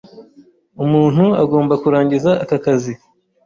Umuntu agomba kurangiza aka kazi.